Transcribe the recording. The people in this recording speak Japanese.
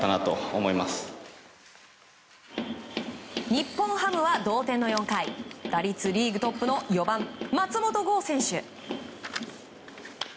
日本ハムは同点の４回打率リーグトップの４番、松本剛選手。